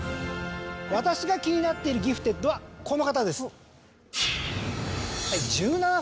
私が気になっているギフテッドはこの方です。